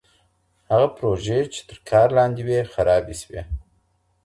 هغه پروژي چي تر کار لاندي وي، خرابي سوي.